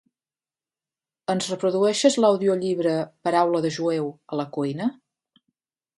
Ens reprodueixes l'audiollibre "Paraula de jueu" a la cuina?